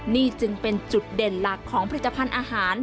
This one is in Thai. นี่จึงเป็นจุดเด่นหลักของผลิตภัณฑ์อาหาร